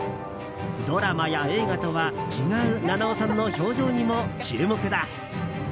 ドラマや映画とは違う菜々緒さんの表情にも注目だ。